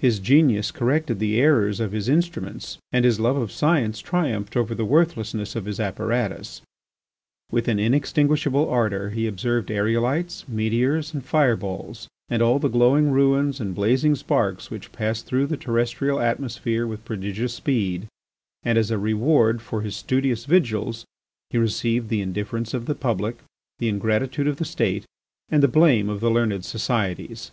His genius corrected the errors of his instruments and his love of science triumphed over the worthlessness of his apparatus. With an inextinguishable ardour he observed aerolites, meteors, and fire balls, and all the glowing ruins and blazing sparks which pass through the terrestrial atmosphere with prodigious speed, and as a reward for is studious vigils he received the indifference of the public, the ingratitude of the State and the blame of the learned societies.